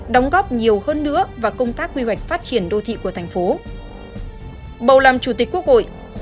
đóng góp nhiều hơn nữa và công tác quy hoạch phát triển đô thị của thành phố